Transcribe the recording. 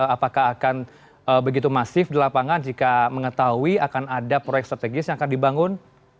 apakah akan begitu masif di lapangan jika mengetahui akan ada proyek strategis yang akan dibangun